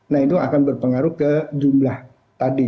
nah itu akan berpengaruh ke jumlah tadi